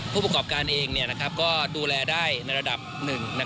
ผู้ประกอบการเองก็ดูแลได้ในระดับหนึ่ง